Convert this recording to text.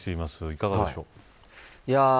いかがでしょうか。